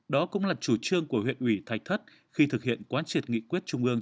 đó cũng là chủ trương của huyện ủy thạch thất khi thực hiện quán triệt nghị quyết trung ương